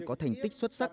có thành tích xuất sắc